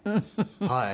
はい。